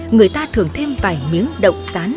người ta thường thêm vài miếng đậu sán